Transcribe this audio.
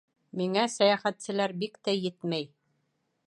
Миңә сәйәхәтселәр бик тә етмәй.